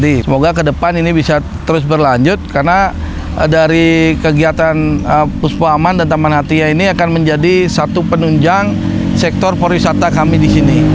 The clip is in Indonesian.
dan kita ke depan ini bisa terus berlanjut karena dari kegiatan puspa aman dan taman hatinya ini akan menjadi satu penunjang sektor forwisata kami disini